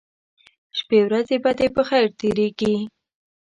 شپې ورځې به دې په خیر تیریږي